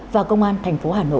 và công an thành phố hà nội